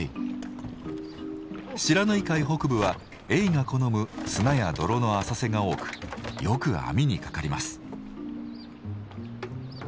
不知火海北部はエイが好む砂や泥の浅瀬が多くよく網にかかります。